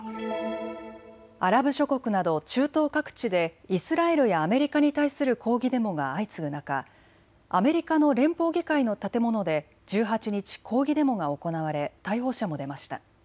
アラブ諸国など中東各地でイスラエルやアメリカに対する抗議デモが相次ぐ中、アメリカの連邦議会の建物で１８日、抗議デモが行われ逮捕者も出ました。